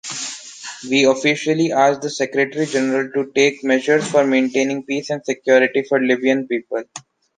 We officially asked the Secretary-General to take measures for maintaining peace and security for Libyan people.